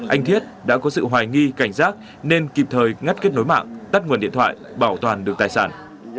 anh thiết đã có sự hoài nghi cảnh giác nên kịp thời ngắt kết nối mạng tắt nguồn điện thoại bảo toàn được tài sản